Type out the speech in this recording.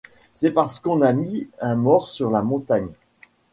C'est parce qu'on a mis un mort sur la montagne.